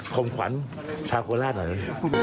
ของขวัญชาวโคราชหน่อย